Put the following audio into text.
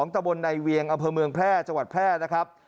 ตะบนในเวียงอำเภอเมืองแพร่จังหวัดแพร่นะครับ